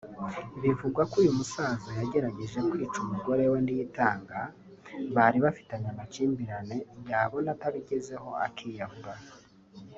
Bivugwa ko uyu musaza yagerageje kwica umugore we Niyitanga bari bafitanye amakimbirane yabona atabigezeho akiyahura